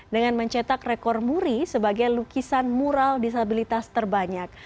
dengan mencetak rekor muri sebagai lukisan mural disabilitas terbanyak